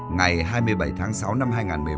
ngày hai mươi bảy tháng sáu năm hai nghìn một mươi bảy